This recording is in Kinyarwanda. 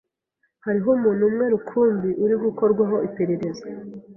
Hariho umuntu umwe rukumbi uri gukorwaho iperereza.